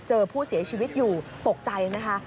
เจอผู้เสียชีวิตอยู่ตกใจนะคะ